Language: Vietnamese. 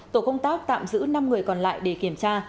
tổ công tác tạm giữ năm người còn lại để kiểm tra